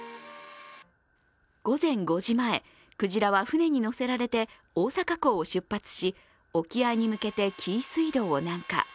午前５時前、クジラは船にのせられて、大阪港を出発し沖合に向けて、紀伊水道を南下。